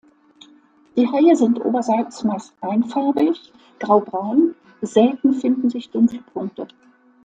Die Haie sind oberseits meist einfarbig graubraun, selten finden sich dunkle Punkte.